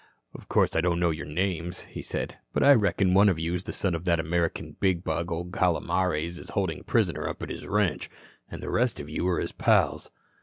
"Of course, I don't know your names," he said, "but I reckon one of you is the son of that American bigbug old Calomares is holding prisoner up at his ranch. And the rest of you are his pals."